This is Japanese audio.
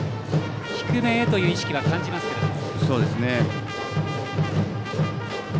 低めへという意識は感じますけれども。